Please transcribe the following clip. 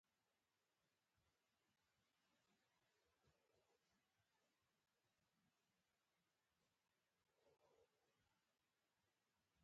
د مرګي سیلۍ دومره تېزه وه چې هر څه یې له ځان سره یوړل.